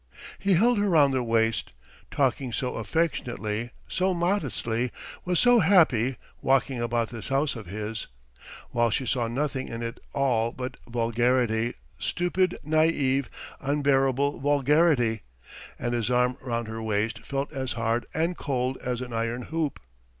... He held her round the waist, talked so affectionately, so modestly, was so happy, walking about this house of his; while she saw nothing in it all but vulgarity, stupid, naïve, unbearable vulgarity, and his arm round her waist felt as hard and cold as an iron hoop.